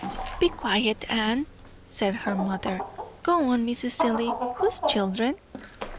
"Be quiet, Anne," said her mother. "Go on, Mrs. Seelye. Whose children?"